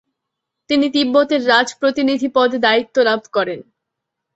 তিনি তিব্বতের রাজপ্রতিনিধি পদে দায়িত্ব লাভ করেন।